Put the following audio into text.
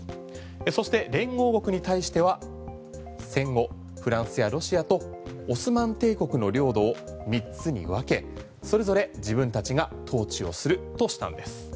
そして連合王国に対しては戦後、フランスやロシアとオスマン帝国の領土を３つに分けそれぞれ自分たちが統治をするとしたんです。